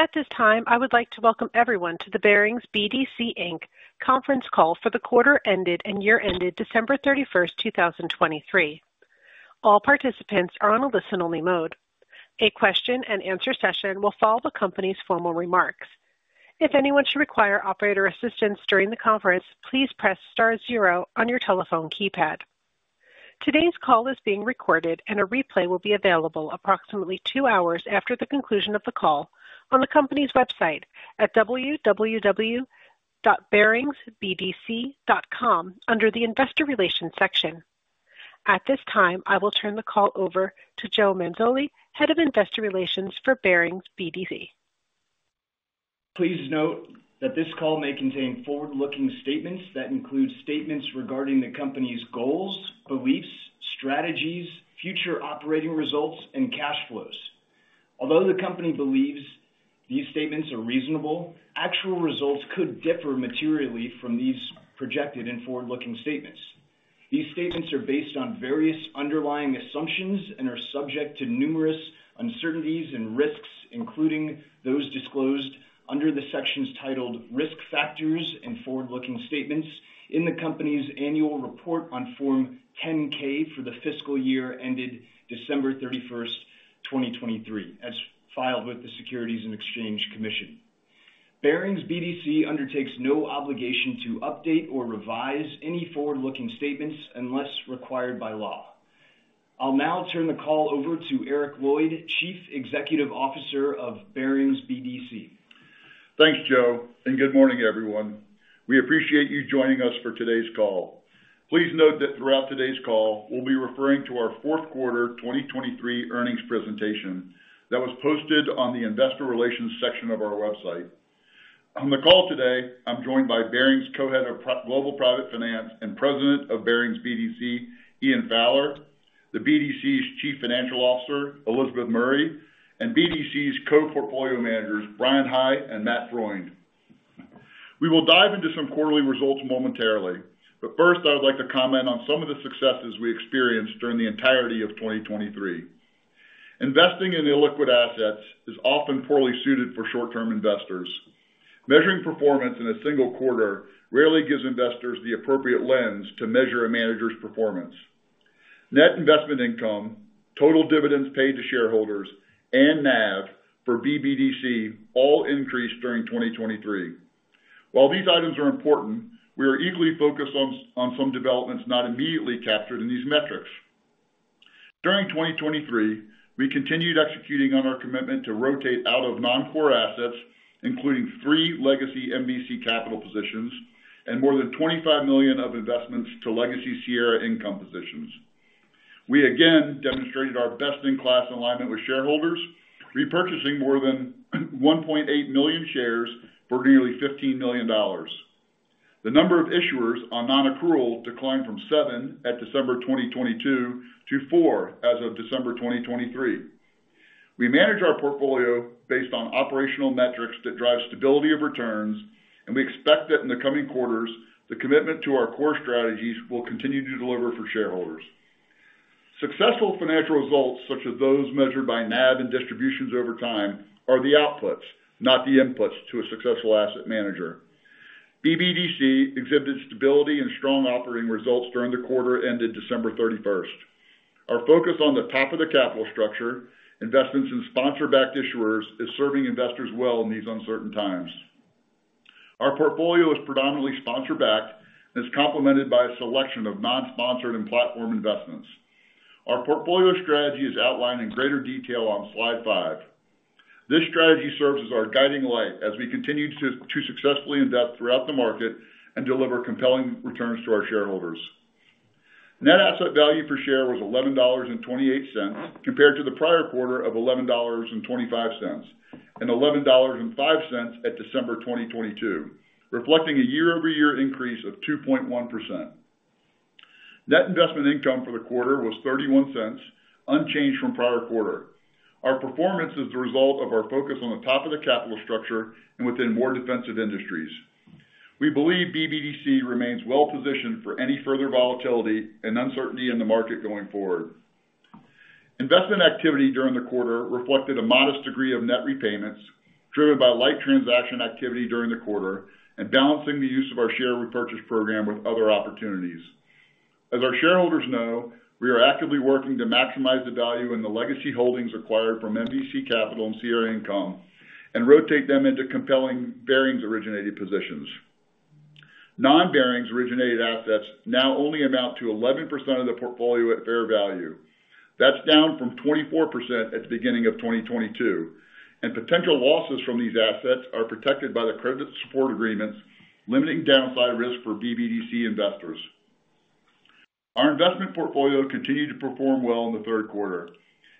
At this time, I would like to welcome everyone to the Barings BDC, Inc. conference call for the quarter ended and year-ended December 31st, 2023. All participants are on a listen-only mode. A question-and-answer session will follow the company's formal remarks. If anyone should require operator assistance during the conference, please press star zero on your telephone keypad. Today's call is being recorded, and a replay will be available approximately two hours after the conclusion of the call on the company's website at www.baringsbdc.com under the investor relations section. At this time, I will turn the call over to Joe Mazzoli, head of investor relations for Barings BDC. Please note that this call may contain forward-looking statements that include statements regarding the company's goals, beliefs, strategies, future operating results, and cash flows. Although the company believes these statements are reasonable, actual results could differ materially from these projected and forward-looking statements. These statements are based on various underlying assumptions and are subject to numerous uncertainties and risks, including those disclosed under the sections titled Risk Factors and Forward-Looking Statements in the company's annual report on Form 10-K for the fiscal year ended December 31st, 2023, as filed with the Securities and Exchange Commission. Barings BDC undertakes no obligation to update or revise any forward-looking statements unless required by law. I'll now turn the call over to Eric Lloyd, Chief Executive Officer of Barings BDC. Thanks, Joe, and good morning, everyone. We appreciate you joining us for today's call. Please note that throughout today's call, we'll be referring to our fourth quarter 2023 earnings presentation that was posted on the investor relations section of our website. On the call today, I'm joined by Barings Co-Head of Global Private Finance and President of Barings BDC, Ian Fowler, the BDC's Chief Financial Officer, Elizabeth Murray, and BDC's Co-Portfolio Managers, Brian High and Matt Freund. We will dive into some quarterly results momentarily, but first I would like to comment on some of the successes we experienced during the entirety of 2023. Investing in illiquid assets is often poorly suited for short-term investors. Measuring performance in a single quarter rarely gives investors the appropriate lens to measure a manager's performance. Net Investment Income, total dividends paid to shareholders, and NAV for BBDC all increased during 2023. While these items are important, we are equally focused on some developments not immediately captured in these metrics. During 2023, we continued executing on our commitment to rotate out of non-core assets, including three legacy MVC Capital positions and more than $25 million of investments to legacy Sierra Income positions. We again demonstrated our best-in-class alignment with shareholders, repurchasing more than 1.8 million shares for nearly $15 million. The number of issuers on non-accrual declined from seven at December 2022 to four as of December 2023. We manage our portfolio based on operational metrics that drive stability of returns, and we expect that in the coming quarters, the commitment to our core strategies will continue to deliver for shareholders. Successful financial results, such as those measured by NAV and distributions over time, are the outputs, not the inputs, to a successful asset manager. BBDC exhibited stability and strong operating results during the quarter ended December 31st. Our focus on the top of the capital structure, investments in sponsor-backed issuers, is serving investors well in these uncertain times. Our portfolio is predominantly sponsor-backed and is complemented by a selection of non-sponsored and platform investments. Our portfolio strategy is outlined in greater detail on slide five. This strategy serves as our guiding light as we continue to successfully invest throughout the market and deliver compelling returns to our shareholders. Net Asset Value per share was $11.28 compared to the prior quarter of $11.25 and $11.05 at December 2022, reflecting a year-over-year increase of 2.1%. Net Investment Income for the quarter was $0.31, unchanged from prior quarter. Our performance is the result of our focus on the top of the capital structure and within more defensive industries. We believe BBDC remains well-positioned for any further volatility and uncertainty in the market going forward. Investment activity during the quarter reflected a modest degree of net repayments driven by light transaction activity during the quarter and balancing the use of our share repurchase program with other opportunities. As our shareholders know, we are actively working to maximize the value in the legacy holdings acquired from MVC Capital and Sierra Income and rotate them into compelling Barings-originated positions. Non-Barings-originated assets now only amount to 11% of the portfolio at fair value. That's down from 24% at the beginning of 2022, and potential losses from these assets are protected by the Credit Support Agreements limiting downside risk for BBDC investors. Our investment portfolio continued to perform well in the third quarter.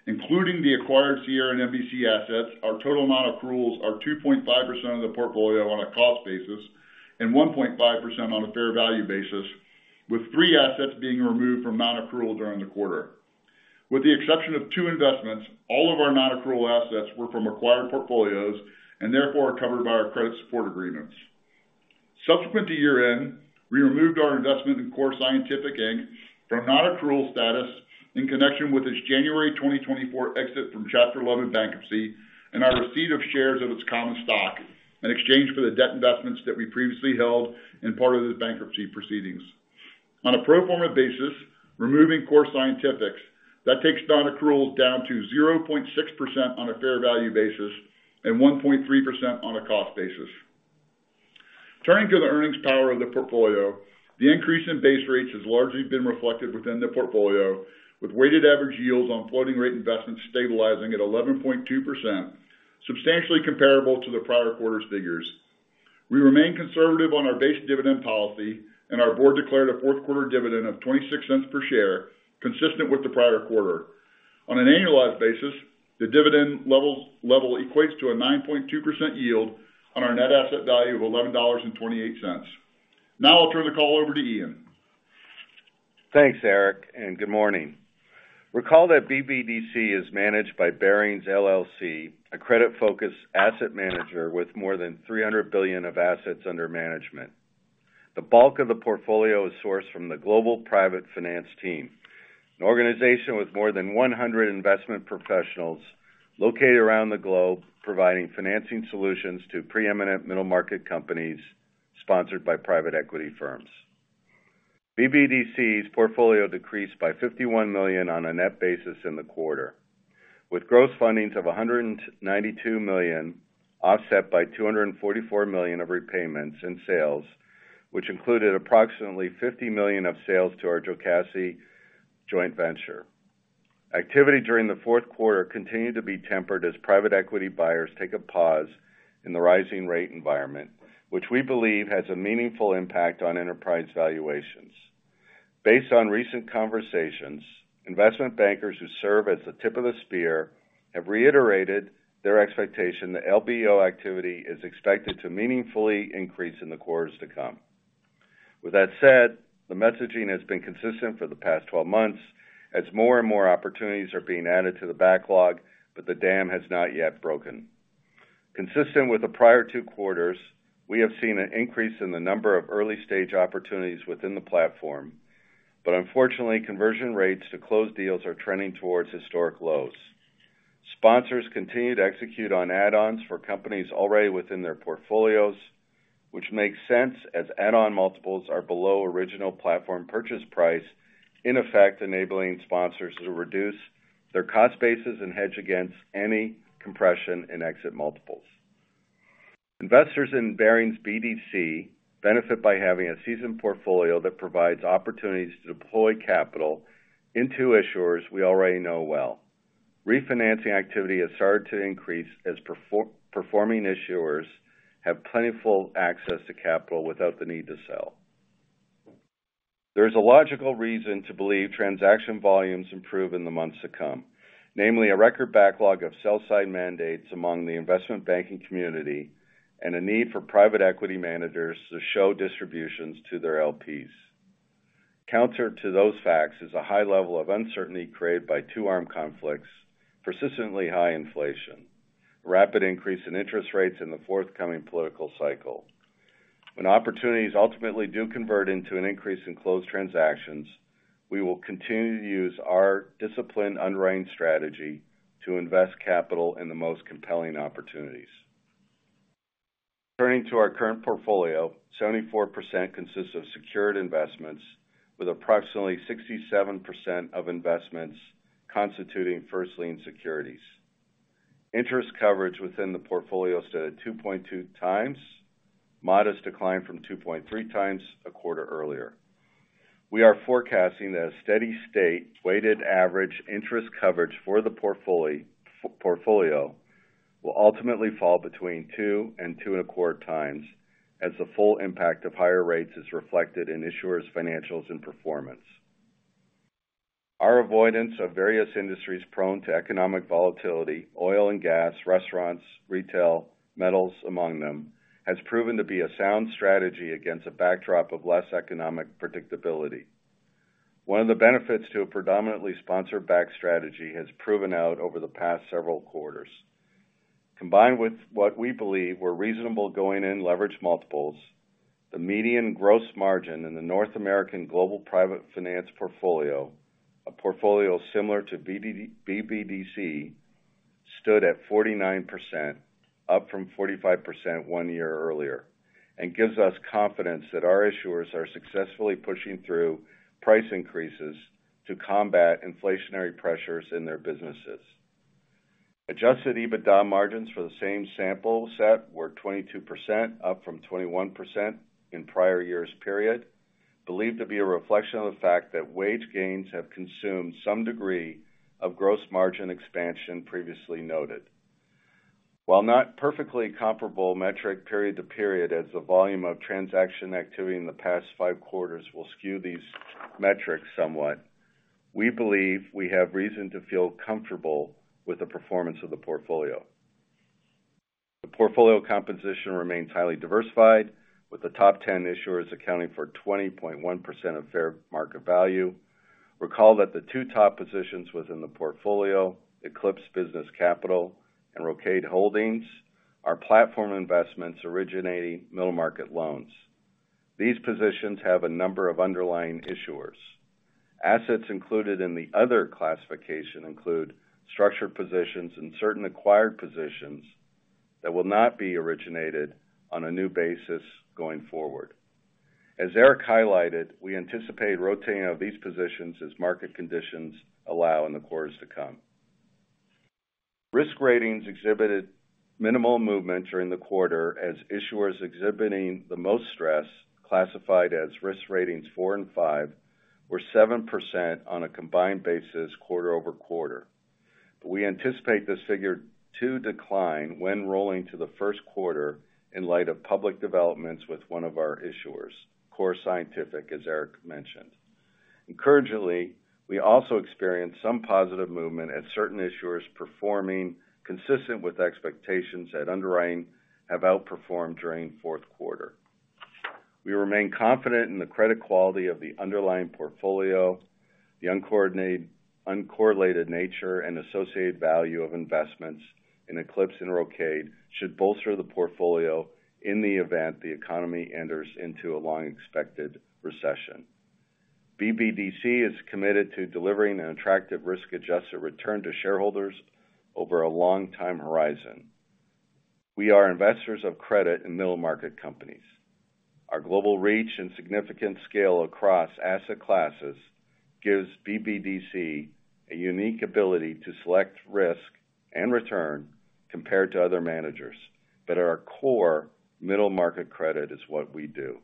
Including the acquired Sierra and MVC assets, our total non-accruals are 2.5% of the portfolio on a cost basis and 1.5% on a fair value basis, with three assets being removed from non-accrual during the quarter. With the exception of two investments, all of our non-accrual assets were from acquired portfolios and therefore are covered by our Credit Support Agreements. Subsequent to year-end, we removed our investment in Core Scientific, Inc., from non-accrual status in connection with its January 2024 exit from Chapter 11 bankruptcy and our receipt of shares of its common stock in exchange for the debt investments that we previously held in part of these bankruptcy proceedings. On a pro forma basis, removing Core Scientific, that takes non-accruals down to 0.6% on a fair value basis and 1.3% on a cost basis. Turning to the earnings power of the portfolio, the increase in base rates has largely been reflected within the portfolio, with weighted average yields on floating rate investments stabilizing at 11.2%, substantially comparable to the prior quarter's figures. We remain conservative on our base dividend policy, and our board declared a fourth quarter dividend of $0.26 per share, consistent with the prior quarter. On an annualized basis, the dividend level equates to a 9.2% yield on our Net Asset Value of $11.28. Now I'll turn the call over to Ian. Thanks, Eric, and good morning. Recall that BBDC is managed by Barings LLC, a credit-focused asset manager with more than $300 billion of assets under management. The bulk of the portfolio is sourced from the Global Private Finance team, an organization with more than 100 investment professionals located around the globe providing financing solutions to preeminent middle-market companies sponsored by private equity firms. BBDC's portfolio decreased by $51 million on a net basis in the quarter, with gross fundings of $192 million offset by $244 million of repayments and sales, which included approximately $50 million of sales to our Jocassee Joint Venture. Activity during the fourth quarter continued to be tempered as private equity buyers take a pause in the rising rate environment, which we believe has a meaningful impact on enterprise valuations. Based on recent conversations, investment bankers who serve as the tip of the spear have reiterated their expectation that LBO activity is expected to meaningfully increase in the quarters to come. With that said, the messaging has been consistent for the past 12 months as more and more opportunities are being added to the backlog, but the dam has not yet broken. Consistent with the prior two quarters, we have seen an increase in the number of early-stage opportunities within the platform, but unfortunately, conversion rates to closed deals are trending towards historic lows. Sponsors continue to execute on add-ons for companies already within their portfolios, which makes sense as add-on multiples are below original platform purchase price, in effect enabling sponsors to reduce their cost bases and hedge against any compression in exit multiples. Investors in Barings BDC benefit by having a seasoned portfolio that provides opportunities to deploy capital into issuers we already know well. Refinancing activity has started to increase as performing issuers have plentiful access to capital without the need to sell. There is a logical reason to believe transaction volumes improve in the months to come, namely a record backlog of sell-side mandates among the investment banking community and a need for private equity managers to show distributions to their LPs. Counter to those facts is a high level of uncertainty created by two armed conflicts, persistently high inflation, rapid increase in interest rates in the forthcoming political cycle. When opportunities ultimately do convert into an increase in closed transactions, we will continue to use our disciplined underwriting strategy to invest capital in the most compelling opportunities. Turning to our current portfolio, 74% consists of secured investments, with approximately 67% of investments constituting first-lien securities. Interest coverage within the portfolio is at 2.2x, modest decline from 2.3x a quarter earlier. We are forecasting that a steady state weighted average interest coverage for the portfolio will ultimately fall between 2x and 2.25x as the full impact of higher rates is reflected in issuers' financials and performance. Our avoidance of various industries prone to economic volatility (oil and gas, restaurants, retail, metals, among them) has proven to be a sound strategy against a backdrop of less economic predictability. One of the benefits to a predominantly sponsor-backed strategy has proven out over the past several quarters. Combined with what we believe were reasonable going-in leverage multiples, the median gross margin in the North American Global Private Finance portfolio, a portfolio similar to BBDC, stood at 49%, up from 45% one year earlier, and gives us confidence that our issuers are successfully pushing through price increases to combat inflationary pressures in their businesses. Adjusted EBITDA margins for the same sample set were 22%, up from 21% in the prior year's period, believed to be a reflection of the fact that wage gains have consumed some degree of gross margin expansion previously noted. While not perfectly comparable metric period to period, as the volume of transaction activity in the past five quarters will skew these metrics somewhat, we believe we have reason to feel comfortable with the performance of the portfolio. The portfolio composition remains highly diversified, with the top 10 issuers accounting for 20.1% of fair market value. Recall that the two top positions within the portfolio, Eclipse Business Capital and Rocade Holdings, are platform investments originating middle-market loans. These positions have a number of underlying issuers. Assets included in the other classification include structured positions and certain acquired positions that will not be originated on a new basis going forward. As Eric highlighted, we anticipate rotating of these positions as market conditions allow in the quarters to come. Risk ratings exhibited minimal movement during the quarter as issuers exhibiting the most stress, classified as risk ratings 4 and 5, were 7% on a combined basis quarter-over-quarter. We anticipate this figure to decline when rolling to the first quarter in light of public developments with one of our issuers, Core Scientific, as Eric mentioned. Encouragingly, we also experienced some positive movement as certain issuers performing consistent with expectations that underlying have outperformed during fourth quarter. We remain confident in the credit quality of the underlying portfolio. The uncorrelated nature and associated value of investments in Eclipse and Rocade should bolster the portfolio in the event the economy enters into a long-expected recession. BBDC is committed to delivering an attractive risk-adjusted return to shareholders over a long-time horizon. We are investors of credit in middle-market companies. Our global reach and significant scale across asset classes gives BBDC a unique ability to select risk and return compared to other managers, but at our core, middle-market credit is what we do.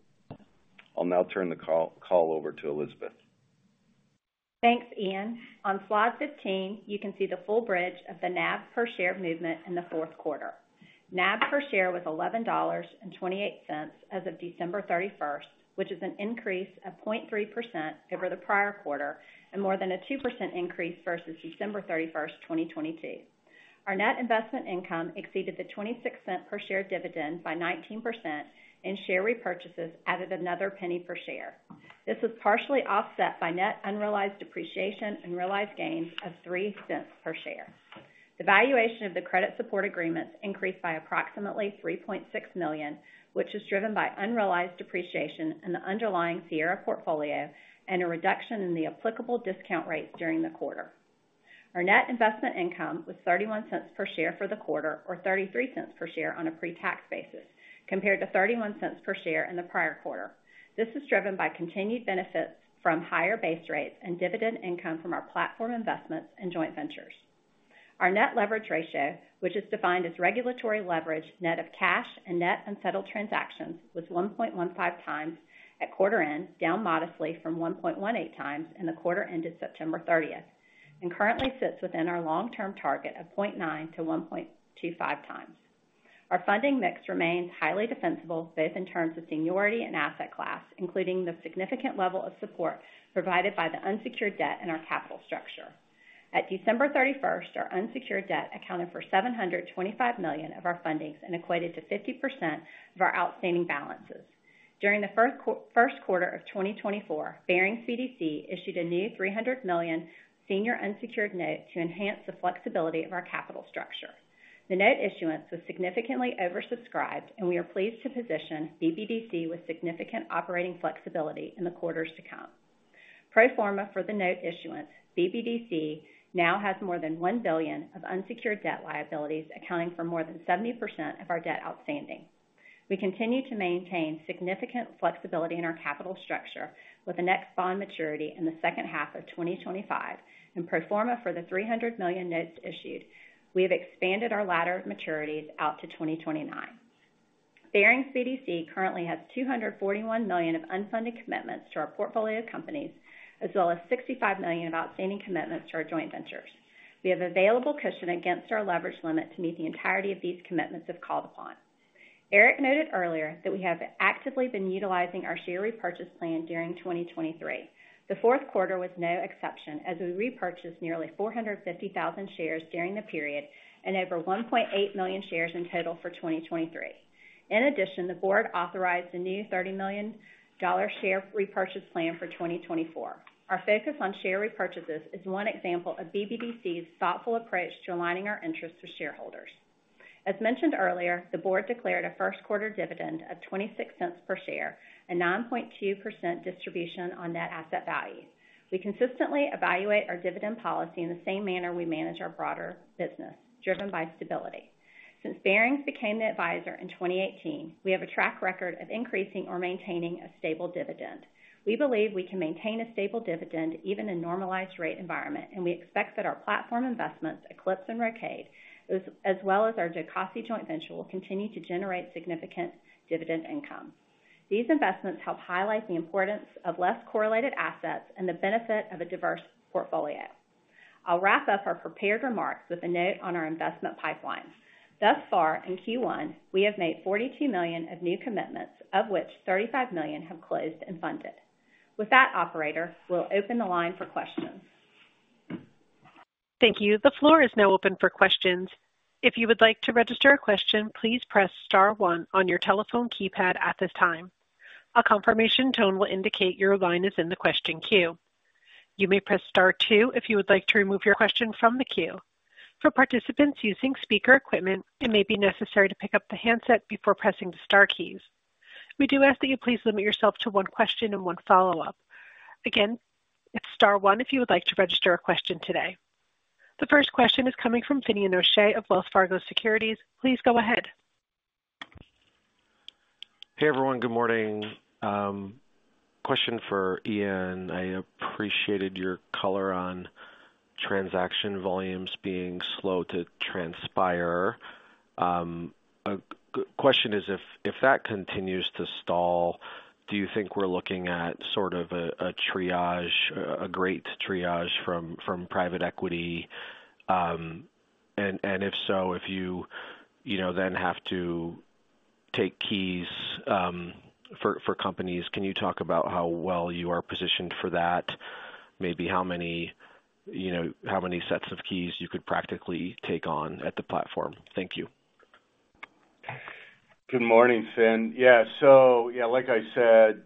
I'll now turn the call over to Elizabeth. Thanks, Ian. On slide 15, you can see the full bridge of the NAV per share movement in the fourth quarter. NAV per share was $11.28 as of December 31st, which is an increase of 0.3% over the prior quarter and more than a 2% increase versus December 31st, 2022. Our Net Investment Income exceeded the $0.26 per share dividend by 19% and share repurchases added another $0.01 per share. This was partially offset by net unrealized depreciation and realized gains of $0.03 per share. The valuation of the Credit Support Agreements increased by approximately $3.6 million, which is driven by unrealized depreciation in the underlying Sierra Portfolio and a reduction in the applicable discount rates during the quarter. Our Net Investment Income was $0.31 per share for the quarter, or $0.33 per share on a pre-tax basis, compared to $0.31 per share in the prior quarter. This is driven by continued benefits from higher base rates and dividend income from our platform investments and Joint Ventures. Our net leverage ratio, which is defined as regulatory leverage net of cash and net unsettled transactions, was 1.15x at quarter-end, down modestly from 1.18x in the quarter ended September 30th, and currently sits within our long-term target of 0.9x-1.25x. Our funding mix remains highly defensible both in terms of seniority and asset class, including the significant level of support provided by the unsecured debt in our capital structure. At December 31st, our unsecured debt accounted for $725 million of our fundings and equated to 50% of our outstanding balances. During the first quarter of 2024, Barings BDC issued a new $300 million senior unsecured note to enhance the flexibility of our capital structure. The note issuance was significantly oversubscribed, and we are pleased to position BBDC with significant operating flexibility in the quarters to come. Pro forma for the note issuance, BBDC now has more than $1 billion of unsecured debt liabilities accounting for more than 70% of our debt outstanding. We continue to maintain significant flexibility in our capital structure with the next bond maturity in the second half of 2025, and pro forma for the $300 million notes issued, we have expanded our ladder of maturities out to 2029. Barings BDC currently has $241 million of unfunded commitments to our portfolio companies, as well as $65 million of outstanding commitments to our Joint Ventures. We have available cushion against our leverage limit to meet the entirety of these commitments if called upon. Eric noted earlier that we have actively been utilizing our share repurchase plan during 2023. The fourth quarter was no exception, as we repurchased nearly 450,000 shares during the period and over 1.8 million shares in total for 2023. In addition, the board authorized a new $30 million share repurchase plan for 2024. Our focus on share repurchases is one example of BBDC's thoughtful approach to aligning our interests with shareholders. As mentioned earlier, the board declared a first quarter dividend of $0.26 per share, a 9.2% distribution on Net Asset Value. We consistently evaluate our dividend policy in the same manner we manage our broader business, driven by stability. Since Barings became the advisor in 2018, we have a track record of increasing or maintaining a stable dividend. We believe we can maintain a stable dividend even in a normalized rate environment, and we expect that our platform investments, Eclipse and Rocade, as well as our Jocassee Joint Venture, will continue to generate significant dividend income. These investments help highlight the importance of less correlated assets and the benefit of a diverse portfolio. I'll wrap up our prepared remarks with a note on our investment pipeline. Thus far in Q1, we have made $42 million of new commitments, of which $35 million have closed and funded. With that, operator, we'll open the line for questions. Thank you. The floor is now open for questions. If you would like to register a question, please press star one on your telephone keypad at this time. A confirmation tone will indicate your line is in the question queue. You may press star two if you would like to remove your question from the queue. For participants using speaker equipment, it may be necessary to pick up the handset before pressing the star keys. We do ask that you please limit yourself to one question and one follow-up. Again, it's star one if you would like to register a question today. The first question is coming from Finian O'Shea of Wells Fargo Securities. Please go ahead. Hey everyone, good morning. Question for Ian. I appreciated your color on transaction volumes being slow to transpire. The question is, if that continues to stall, do you think we're looking at sort of a great triage from private equity? And if so, if you then have to take keys for companies, can you talk about how well you are positioned for that? Maybe how many sets of keys you could practically take on at the platform. Thank you. Good morning, Finn. Yeah, so yeah, like I said,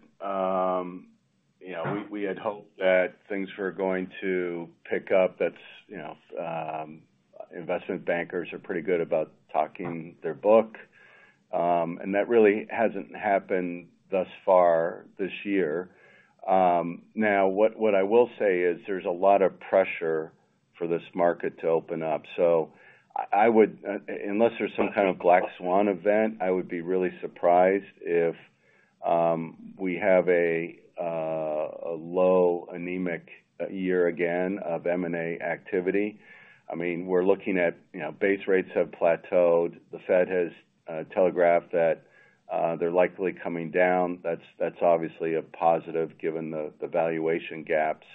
we had hoped that things were going to pick up. Investment bankers are pretty good about talking their book, and that really hasn't happened thus far this year. Now, what I will say is there's a lot of pressure for this market to open up. So unless there's some kind of black swan event, I would be really surprised if we have a low anemic year again of M&A activity. I mean, we're looking at base rates have plateaued. The Fed has telegraphed that they're likely coming down. That's obviously a positive given the valuation gaps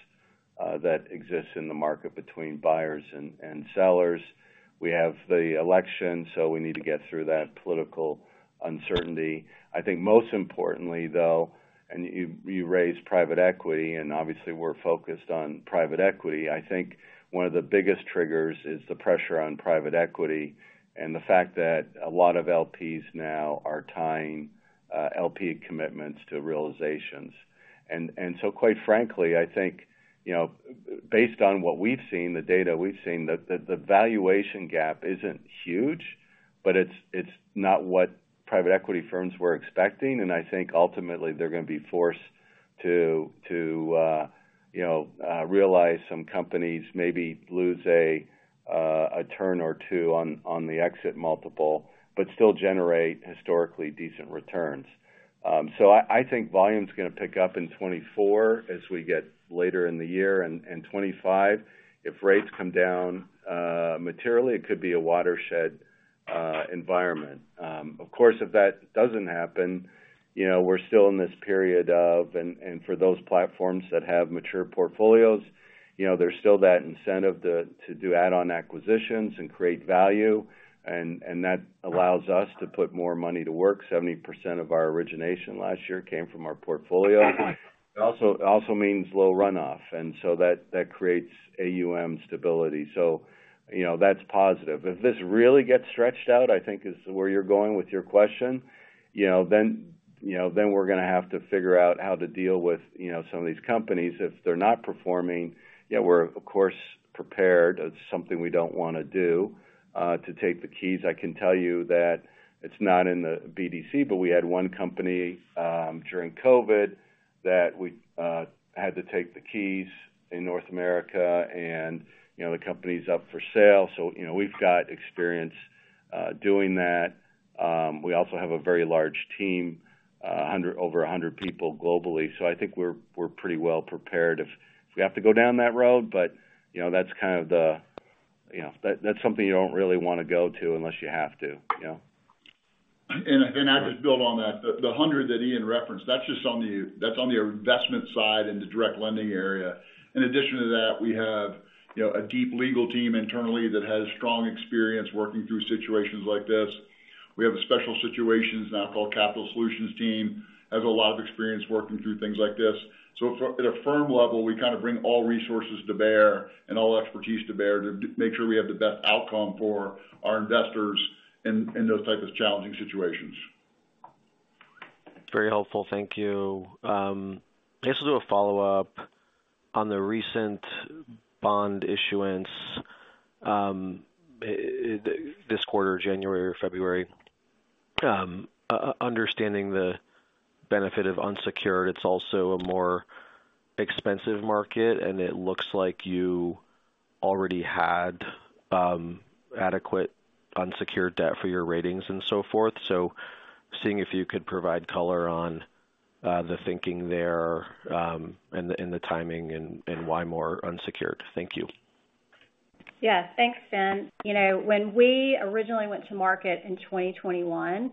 that exist in the market between buyers and sellers. We have the election, so we need to get through that political uncertainty. I think most importantly, though, and you raised private equity, and obviously we're focused on private equity. I think one of the biggest triggers is the pressure on private equity and the fact that a lot of LPs now are tying LP commitments to realizations. And so quite frankly, I think based on what we've seen, the data we've seen, the valuation gap isn't huge, but it's not what private equity firms were expecting. And I think ultimately they're going to be forced to realize some companies maybe lose a turn or two on the exit multiple, but still generate historically decent returns. So I think volume's going to pick up in 2024 as we get later in the year. And 2025, if rates come down materially, it could be a watershed environment. Of course, if that doesn't happen, we're still in this period of and for those platforms that have mature portfolios, there's still that incentive to do add-on acquisitions and create value. That allows us to put more money to work. 70% of our origination last year came from our portfolio. It also means low runoff. That creates AUM stability. That's positive. If this really gets stretched out, I think is where you're going with your question, then we're going to have to figure out how to deal with some of these companies. If they're not performing, yeah, we're, of course, prepared. It's something we don't want to do. To take the keys, I can tell you that it's not in the BDC, but we had one company during COVID that we had to take the keys in North America, and the company's up for sale. So we've got experience doing that. We also have a very large team, over 100 people globally. So I think we're pretty well prepared if we have to go down that road, but that's kind of the something you don't really want to go to unless you have to. I'll just build on that. The 100 that Ian referenced, that's just on the investment side and the direct lending area. In addition to that, we have a deep legal team internally that has strong experience working through situations like this. We have a Special Situations, now called Capital Solutions team, has a lot of experience working through things like this. At a firm level, we kind of bring all resources to bear and all expertise to bear to make sure we have the best outcome for our investors in those type of challenging situations. Very helpful. Thank you. I guess I'll do a follow-up on the recent bond issuance this quarter, January or February. Understanding the benefit of unsecured, it's also a more expensive market, and it looks like you already had adequate unsecured debt for your ratings and so forth. So seeing if you could provide color on the thinking there and the timing and why more unsecured. Thank you. Yeah, thanks, Finn. When we originally went to market in 2021,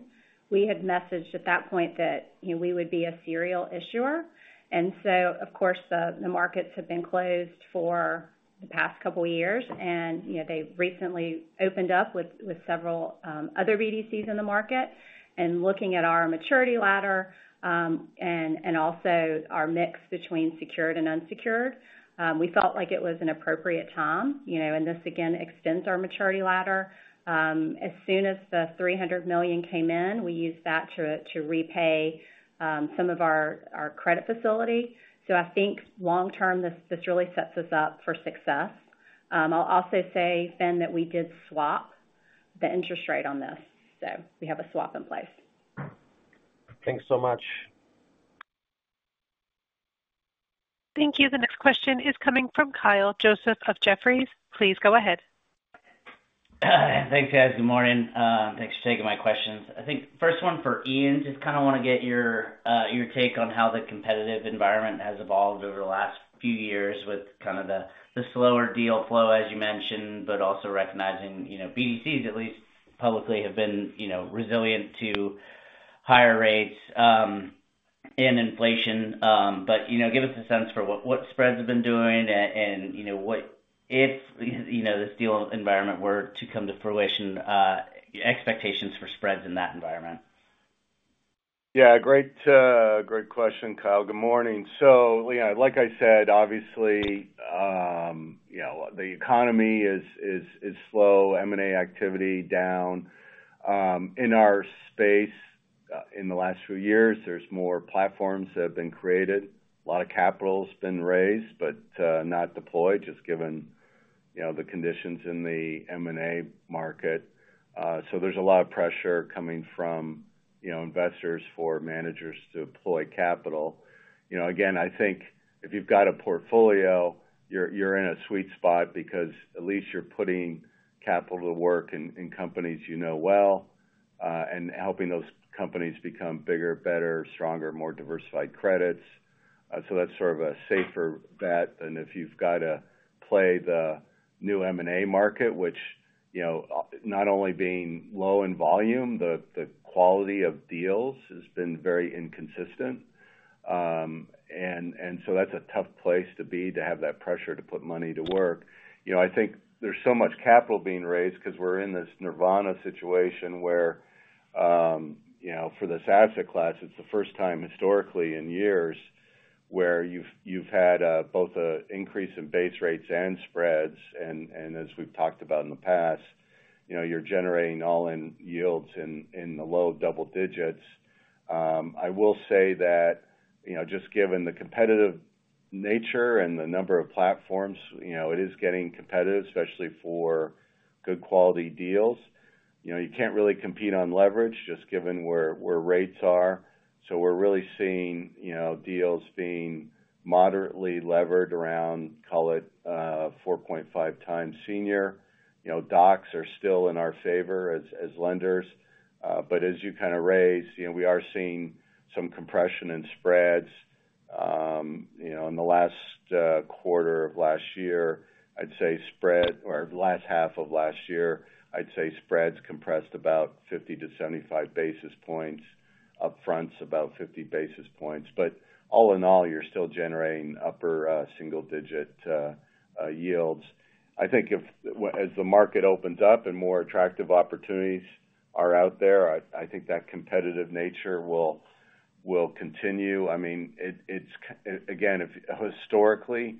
we had messaged at that point that we would be a serial issuer. And so, of course, the markets have been closed for the past couple of years, and they recently opened up with several other BDCs in the market. And looking at our maturity ladder and also our mix between secured and unsecured, we felt like it was an appropriate time. And this, again, extends our maturity ladder. As soon as the $300 million came in, we used that to repay some of our credit facility. So I think long-term, this really sets us up for success. I'll also say, Finn, that we did swap the interest rate on this. So we have a swap in place. Thanks so much. Thank you. The next question is coming from Kyle Joseph of Jefferies. Please go ahead. Thanks, guys. Good morning. Thanks for taking my questions. I think first one for Ian. Just kind of want to get your take on how the competitive environment has evolved over the last few years with kind of the slower deal flow, as you mentioned, but also recognizing BDCs, at least publicly, have been resilient to higher rates and inflation. But give us a sense for what spreads have been doing and what, if this deal environment were to come to fruition, expectations for spreads in that environment. Yeah, great question, Kyle. Good morning. So, Leon, like I said, obviously, the economy is slow, M&A activity down. In our space, in the last few years, there's more platforms that have been created. A lot of capital's been raised, but not deployed, just given the conditions in the M&A market. So there's a lot of pressure coming from investors for managers to deploy capital. Again, I think if you've got a portfolio, you're in a sweet spot because at least you're putting capital to work in companies you know well and helping those companies become bigger, better, stronger, more diversified credits. So that's sort of a safer bet than if you've got to play the new M&A market, which not only being low in volume, the quality of deals has been very inconsistent. And so that's a tough place to be to have that pressure to put money to work. I think there's so much capital being raised because we're in this nirvana situation where for this asset class, it's the first time historically in years where you've had both an increase in base rates and spreads. And as we've talked about in the past, you're generating all-in yields in the low double digits. I will say that just given the competitive nature and the number of platforms, it is getting competitive, especially for good quality deals. You can't really compete on leverage, just given where rates are. So we're really seeing deals being moderately levered around, call it, 4.5x senior. Docs are still in our favor as lenders. But as you kind of raise, we are seeing some compression in spreads. In the last quarter of last year, I'd say spread or last half of last year, I'd say spreads compressed about 50 basis points-75 basis points, upfronts about 50 basis points. But all in all, you're still generating upper single-digit yields. I think as the market opens up and more attractive opportunities are out there, I think that competitive nature will continue. I mean, again, historically,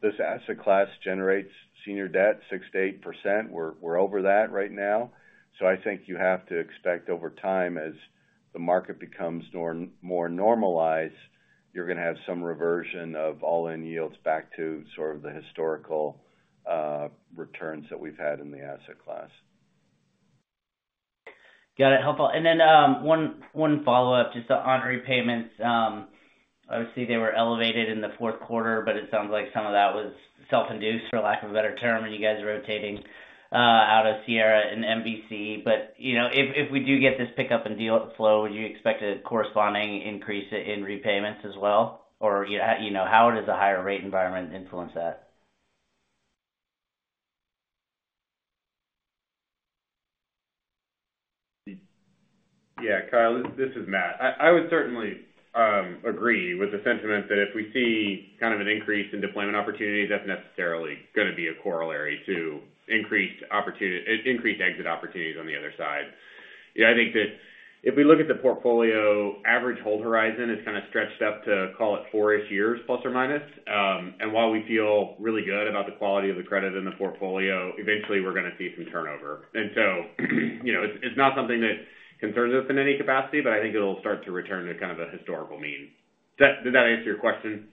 this asset class generates senior debt, 6%-8%. We're over that right now. So I think you have to expect over time, as the market becomes more normalized, you're going to have some reversion of all-in yields back to sort of the historical returns that we've had in the asset class. Got it. Helpful. Then one follow-up, just the prepayments. Obviously, they were elevated in the fourth quarter, but it sounds like some of that was self-induced, for lack of a better term, when you guys rotating out of Sierra and MVC. But if we do get this pickup and deal flow, would you expect a corresponding increase in repayments as well? Or how does a higher rate environment influence that? Yeah, Kyle, this is Matt. I would certainly agree with the sentiment that if we see kind of an increase in deployment opportunities, that's necessarily going to be a corollary to increased exit opportunities on the other side. I think that if we look at the portfolio, average hold horizon is kind of stretched up to, call it, four-ish years, plus or minus. And while we feel really good about the quality of the credit in the portfolio, eventually we're going to see some turnover. And so it's not something that concerns us in any capacity, but I think it'll start to return to kind of a historical mean. Did that answer your question?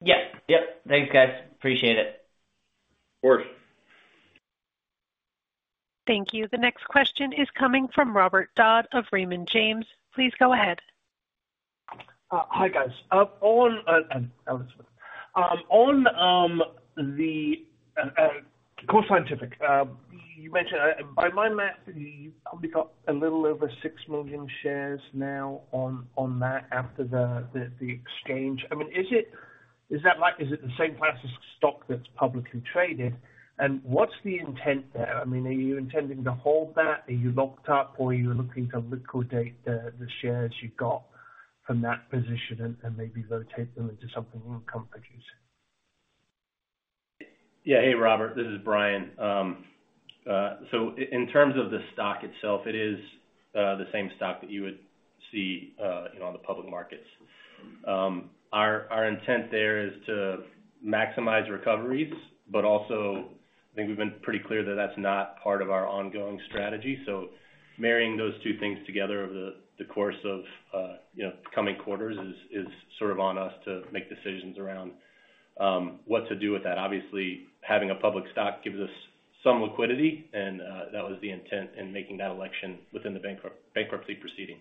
Yep. Yep. Thanks, guys. Appreciate it. Of course. Thank you. The next question is coming from Robert Dodd of Raymond James. Please go ahead. Hi, guys. On the Core Scientific, you mentioned by my math, you've probably got a little over 6 million shares now on that after the exchange. I mean, is that right? Is it the same class of stock that's publicly traded? And what's the intent there? I mean, are you intending to hold that? Are you locked up, or are you looking to liquidate the shares you've got from that position and maybe rotate them into something income-producing? Yeah. Hey, Robert. This is Brian. So in terms of the stock itself, it is the same stock that you would see on the public markets. Our intent there is to maximize recoveries, but also I think we've been pretty clear that that's not part of our ongoing strategy. So marrying those two things together over the course of coming quarters is sort of on us to make decisions around what to do with that. Obviously, having a public stock gives us some liquidity, and that was the intent in making that election within the bankruptcy proceeding.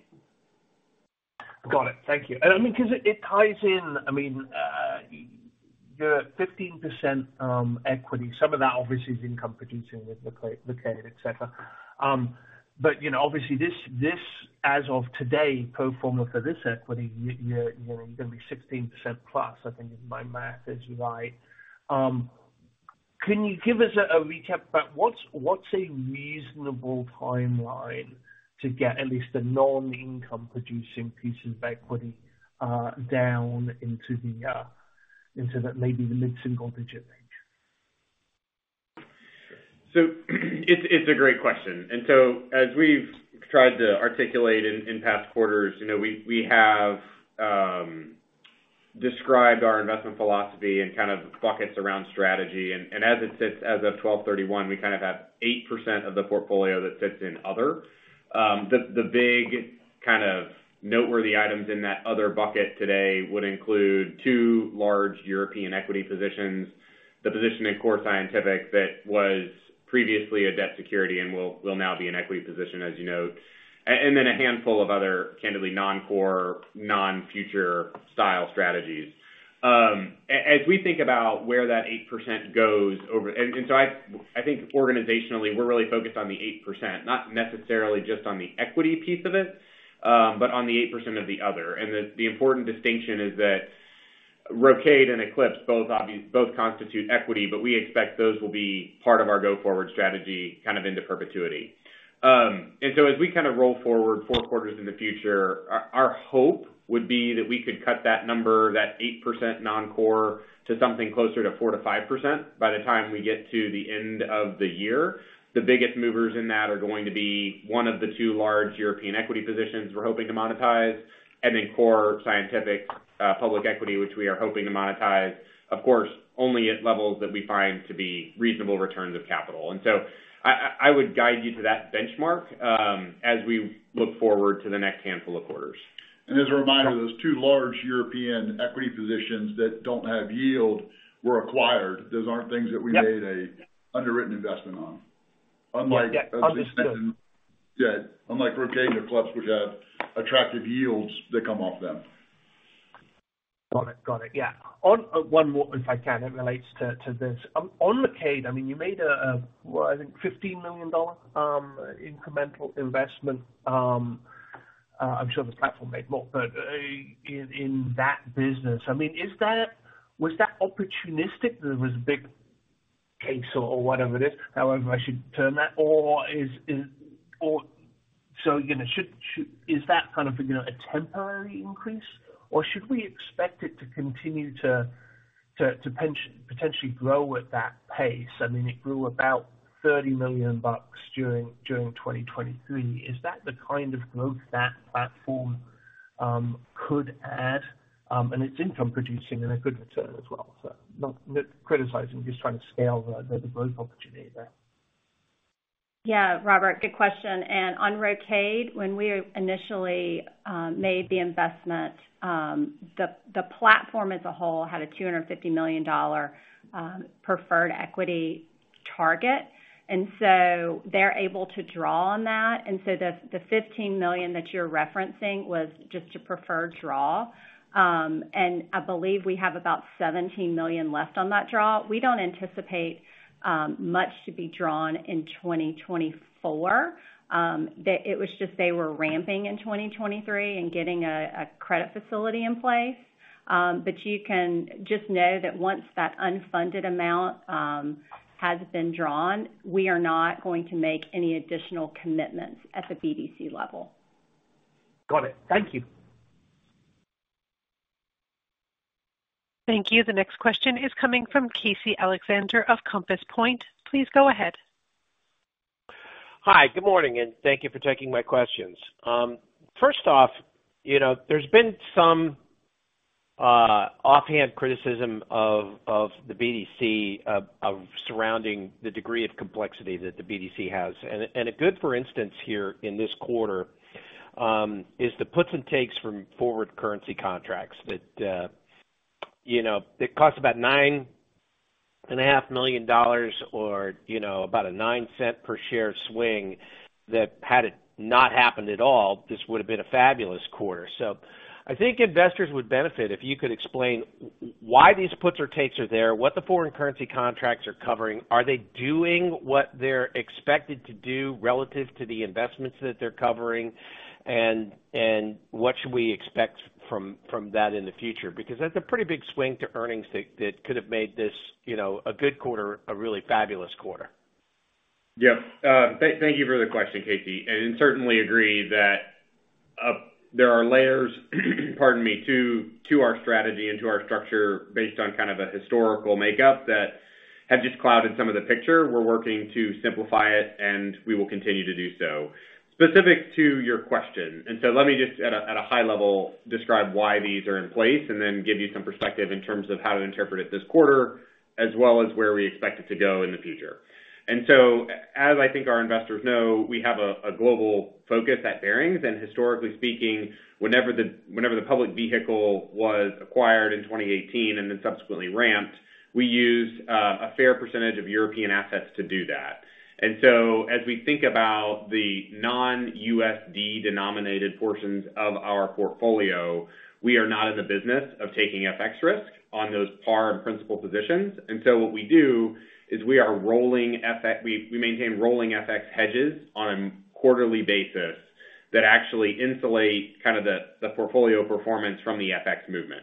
Got it. Thank you. I mean, because it ties in I mean, you're at 15% equity. Some of that, obviously, is income-producing with the Rocade, etc. But obviously, this as of today, pro forma for this equity, you're going to be 16%+, I think, if my math is right. Can you give us a recap about what's a reasonable timeline to get at least the non-income-producing pieces of equity down into maybe the mid-single-digit range? So it's a great question. And so as we've tried to articulate in past quarters, we have described our investment philosophy and kind of buckets around strategy. And as it sits as of 12/31, we kind of have 8% of the portfolio that sits in other. The big kind of noteworthy items in that other bucket today would include two large European equity positions, the position in Core Scientific that was previously a debt security and will now be an equity position, as you note, and then a handful of other, candidly, non-core, non-future-style strategies. As we think about where that 8% goes over and so I think organizationally, we're really focused on the 8%, not necessarily just on the equity piece of it, but on the 8% of the other. The important distinction is that Rocade and Eclipse both constitute equity, but we expect those will be part of our go-forward strategy kind of into perpetuity. So as we kind of roll forward four quarters in the future, our hope would be that we could cut that number, that 8% non-core, to something closer to 4%-5% by the time we get to the end of the year. The biggest movers in that are going to be one of the two large European equity positions we're hoping to monetize and then Core Scientific public equity, which we are hoping to monetize, of course, only at levels that we find to be reasonable returns of capital. So I would guide you to that benchmark as we look forward to the next handful of quarters. As a reminder, those two large European equity positions that don't have yield were acquired. Those aren't things that we made an underwritten investment on, unlike Rocade and Eclipse, which have attractive yields that come off them. Got it. Got it. Yeah. One more, if I can. It relates to this. On Rocade, I mean, you made a, I think, $15 million incremental investment. I'm sure the platform made more, but in that business, I mean, was that opportunistic? There was a big case or whatever it is, however I should turn that, or so is that kind of a temporary increase, or should we expect it to continue to potentially grow at that pace? I mean, it grew about $30 million during 2023. Is that the kind of growth that platform could add? And it's income-producing and a good return as well. So not criticizing, just trying to scale the growth opportunity there. Yeah, Robert, good question. On Rocade, when we initially made the investment, the platform as a whole had a $250 million preferred equity target. So they're able to draw on that. So the $15 million that you're referencing was just a preferred draw. And I believe we have about $17 million left on that draw. We don't anticipate much to be drawn in 2024. It was just they were ramping in 2023 and getting a credit facility in place. But you can just know that once that unfunded amount has been drawn, we are not going to make any additional commitments at the BDC level. Got it. Thank you. Thank you. The next question is coming from Casey Alexander of Compass Point. Please go ahead. Hi. Good morning. Thank you for taking my questions. First off, there's been some offhand criticism of the BDC surrounding the degree of complexity that the BDC has. A good for instance here in this quarter is the puts and takes from forward currency contracts that cost about $9.5 million or about a $0.09 per share swing that had it not happened at all, this would have been a fabulous quarter. So I think investors would benefit if you could explain why these puts or takes are there, what the foreign currency contracts are covering, are they doing what they're expected to do relative to the investments that they're covering, and what should we expect from that in the future? Because that's a pretty big swing to earnings that could have made this a good quarter, a really fabulous quarter. Yep. Thank you for the question, Casey. Certainly agree that there are layers, pardon me, to our strategy and to our structure based on kind of a historical makeup that have just clouded some of the picture. We're working to simplify it, and we will continue to do so. Specific to your question. So let me just, at a high level, describe why these are in place and then give you some perspective in terms of how to interpret it this quarter, as well as where we expect it to go in the future. As I think our investors know, we have a global focus at Barings. Historically speaking, whenever the public vehicle was acquired in 2018 and then subsequently ramped, we used a fair percentage of European assets to do that. And so as we think about the non-USD-denominated portions of our portfolio, we are not in the business of taking FX risk on those par and principal positions. And so what we do is we are rolling FX, we maintain rolling FX hedges on a quarterly basis that actually insulate kind of the portfolio performance from the FX movement.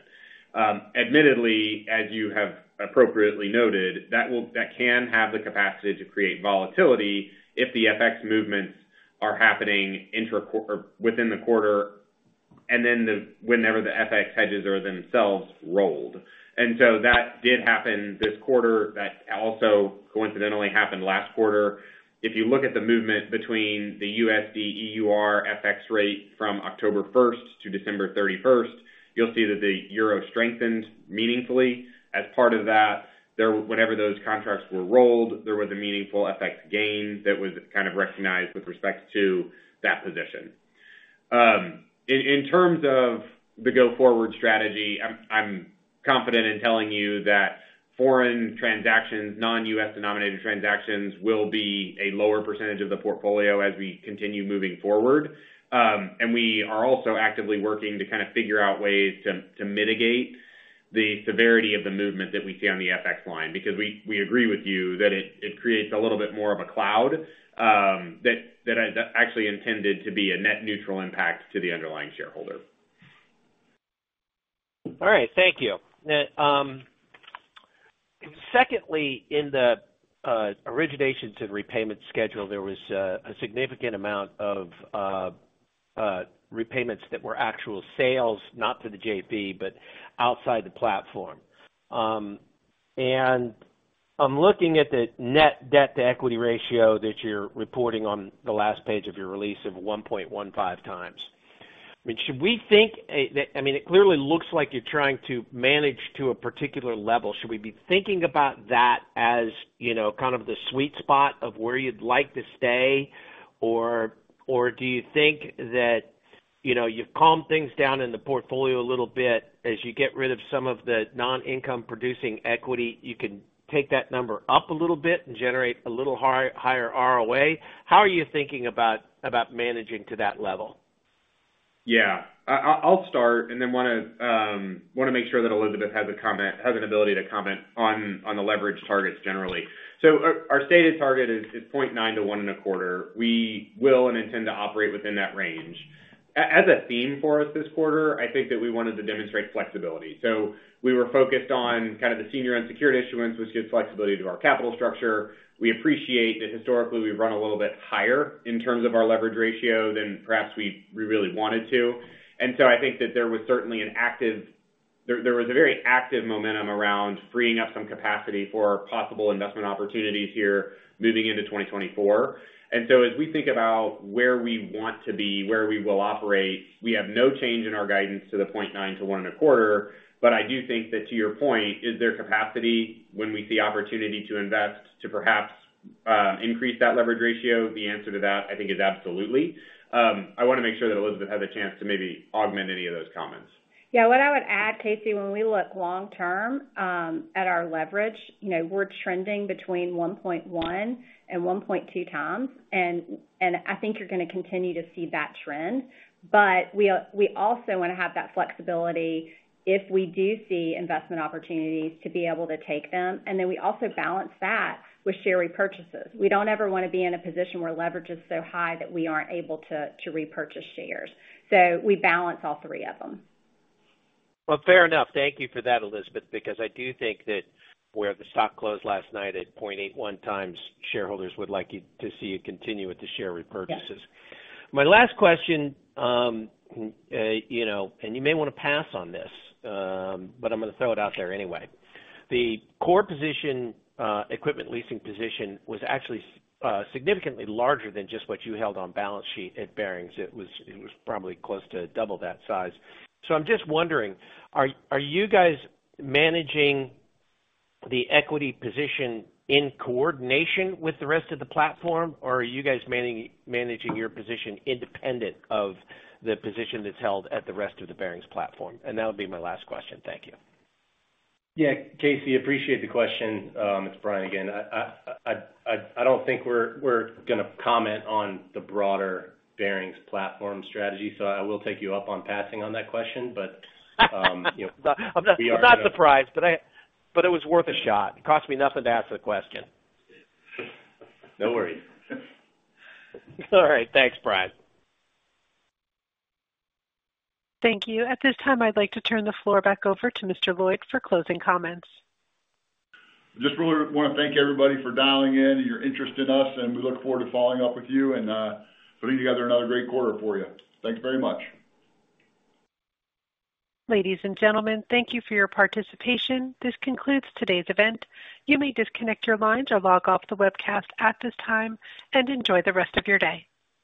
Admittedly, as you have appropriately noted, that can have the capacity to create volatility if the FX movements are happening within the quarter and then whenever the FX hedges are themselves rolled. And so that did happen this quarter. That also coincidentally happened last quarter. If you look at the movement between the USD/EUR/FX rate from October 1st to December 31st, you'll see that the euro strengthened meaningfully. As part of that, whenever those contracts were rolled, there was a meaningful FX gain that was kind of recognized with respect to that position. In terms of the go-forward strategy, I'm confident in telling you that foreign transactions, non-U.S.-denominated transactions, will be a lower percentage of the portfolio as we continue moving forward. We are also actively working to kind of figure out ways to mitigate the severity of the movement that we see on the FX line because we agree with you that it creates a little bit more of a cloud that actually intended to be a net neutral impact to the underlying shareholder. All right. Thank you. Secondly, in the originations and repayment schedule, there was a significant amount of repayments that were actual sales, not to the JP, but outside the platform. And I'm looking at the net debt-to-equity ratio that you're reporting on the last page of your release of 1.15x. I mean, should we think I mean, it clearly looks like you're trying to manage to a particular level. Should we be thinking about that as kind of the sweet spot of where you'd like to stay? Or do you think that you've calmed things down in the portfolio a little bit? As you get rid of some of the non-income-producing equity, you can take that number up a little bit and generate a little higher ROA. How are you thinking about managing to that level? Yeah. I'll start and then want to make sure that Elizabeth has an ability to comment on the leverage targets generally. So our stated target is 0.9x-1.25x. We will and intend to operate within that range. As a theme for us this quarter, I think that we wanted to demonstrate flexibility. So we were focused on kind of the senior unsecured issuance, which gives flexibility to our capital structure. We appreciate that historically, we've run a little bit higher in terms of our leverage ratio than perhaps we really wanted to. And so I think that there was certainly a very active momentum around freeing up some capacity for possible investment opportunities here moving into 2024. So as we think about where we want to be, where we will operate, we have no change in our guidance to the 0.9x-1.25x. But I do think that, to your point, is there capacity when we see opportunity to invest to perhaps increase that leverage ratio? The answer to that, I think, is absolutely. I want to make sure that Elizabeth has a chance to maybe augment any of those comments. Yeah. What I would add, Casey, when we look long-term at our leverage, we're trending between 1.1x and 1.2x. And I think you're going to continue to see that trend. But we also want to have that flexibility if we do see investment opportunities to be able to take them. And then we also balance that with share repurchases. We don't ever want to be in a position where leverage is so high that we aren't able to repurchase shares. So we balance all three of them. Well, fair enough. Thank you for that, Elizabeth, because I do think that. Where the stock closed last night at 0.81x, shareholders would like you to see you continue with the share repurchases. My last question, and you may want to pass on this, but I'm going to throw it out there anyway. The core position, equipment leasing position, was actually significantly larger than just what you held on balance sheet at Barings. It was probably close to double that size. So I'm just wondering, are you guys managing the equity position in coordination with the rest of the platform, or are you guys managing your position independent of the position that's held at the rest of the Barings platform? And that would be my last question. Thank you. Yeah, Casey, appreciate the question. It's Brian again. I don't think we're going to comment on the broader Barings platform strategy. So I will take you up on passing on that question, but we are going to. I'm not surprised, but it was worth a shot. It cost me nothing to ask the question. No worries. All right. Thanks, Brian. Thank you. At this time, I'd like to turn the floor back over to Mr. Lloyd for closing comments. Just really want to thank everybody for dialing in and your interest in us. We look forward to following up with you and putting together another great quarter for you. Thanks very much. Ladies and gentlemen, thank you for your participation. This concludes today's event. You may disconnect your lines or log off the webcast at this time and enjoy the rest of your day.